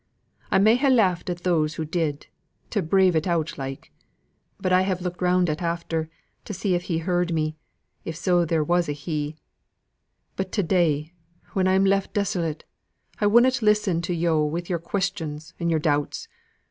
I may ha' laughed at those who did, to brave it out like but I have looked round at after, to see if He heard me, if so be there was a He; but to day, when I'm left desolate, I wunnot listen to yo' wi' yo'r questions, and yo'r doubts.